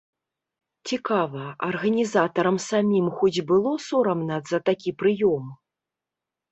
Цікава, арганізатарам самім хоць было сорамна за такі прыём?